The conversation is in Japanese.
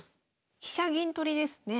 飛車銀取りですね。